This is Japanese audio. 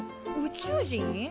宇宙人？